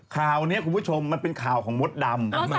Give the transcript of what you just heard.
ข่าวนี้คุณผู้ชมมันเป็นข่าวของมดดำ